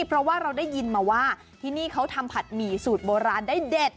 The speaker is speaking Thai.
เพราะว่าเราได้ยินมาว่าที่นี่เขาทำผัดหมี่สูตรโบราณได้เด็ด